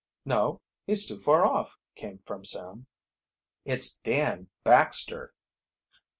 "No; he's too far off," came from Sam.. "It's Dan Baxter!"